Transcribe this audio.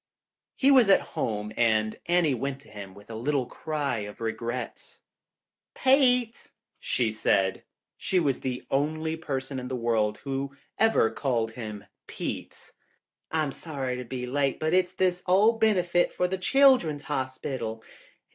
He was at home and Anne went to him with a little cry of regret. "Pete," she said — she was the only person in the world who ever called him Pete, "I'm sorry to be late, but it's this old benefit for the Children's Hospital.